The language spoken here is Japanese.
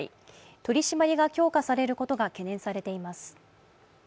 取り締まりが強化されることが懸念されています。